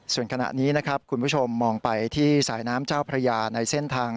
ส่วนขณะนี้นะครับคุณผู้ชมมองไปที่สายน้ำเจ้าพระยาในเส้นทาง